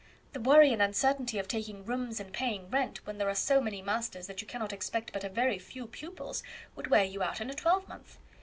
The worry and uncertainty of taking rooms and paying rent, when there are so many masters that you cannot expect but a very few pupils, would wear you out in a twelvemonth.